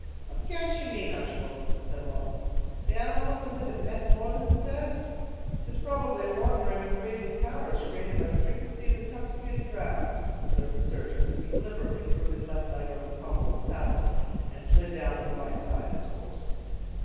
"What can she mean, Archibald?" asked Lawton. "The animal looks as if it meant more than it says!" "'Tis probably a wandering of the reasoning powers, created by the frequency of intoxicating drafts," observed the surgeon, as he deliberately threw his left leg over the pommel of the saddle, and slid down on the right side of his horse.